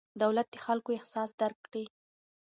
دولت د خلکو احساس درک کړي.